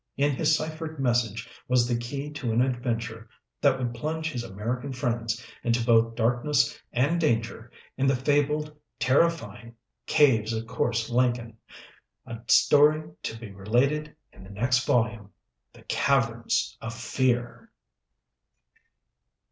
In his ciphered message was the key to an adventure that would plunge his American friends into both darkness and danger in the fabled, terrifying Caves of Korse Lenken, a story to be related in the next volume, THE CAVERNS OF FEAR.